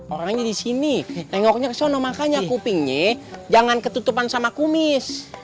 orangnya di sini tengoknya kesana makanya kupingnya jangan ketutupan sama kumis